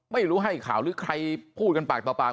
ไม่รู้ให้ข่าวหรือใครพูดกันปากต่อปาก